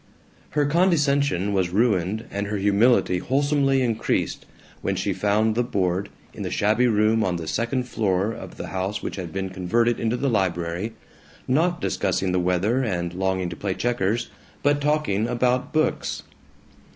Her condescension was ruined and her humility wholesomely increased when she found the board, in the shabby room on the second floor of the house which had been converted into the library, not discussing the weather and longing to play checkers, but talking about books.